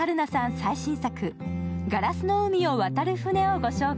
最新作、「ガラスの海を渡る舟」をご紹介。